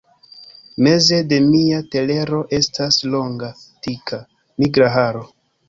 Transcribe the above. Meze de mia telero estas longa, dika, nigra haro!